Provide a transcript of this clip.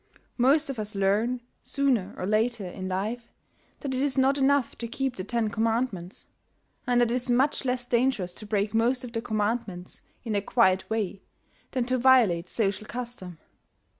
Most of us learn, sooner or later in life, that it is not enough to keep the ten commandments, and that it is much less dangerous to break most of the commandments in a quiet way than to violate social custom.